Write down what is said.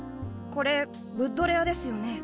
これブッドレアですよね？